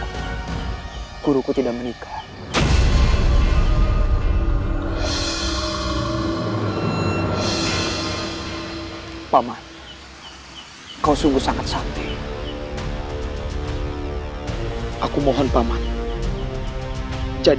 kenapa kau tidak biarkan saja aku mati dibunuh oleh buruhmu